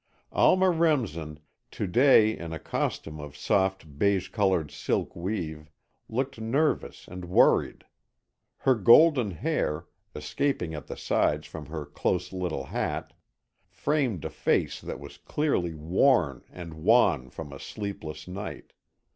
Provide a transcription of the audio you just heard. Alma Remsen, to day in a costume of soft beige coloured silk weave, looked nervous and worried. Her golden hair, escaping at the sides from her close little hat, framed a face that was clearly worn and wan from a sleepless night.